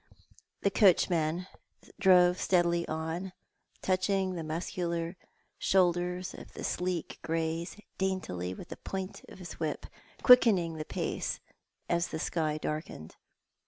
The coachman drove steadily on, touching the muscular shoulders B 2 Thoic a7't the Man. of his sleek greys daintily with the point of his whip, quickening the pace as the sky darkened.